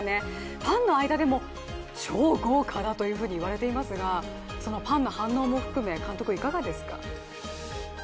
ファンの間でも超豪華だと言われていますが、そのファンの反応も含め監督いかがですか？